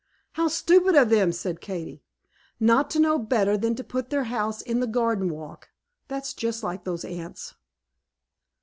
"How stupid of them," said Katy, "not to know better than to put their house in the garden walk; that's just like those Ants!"